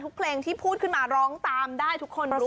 เพลงที่พูดขึ้นมาร้องตามได้ทุกคนรู้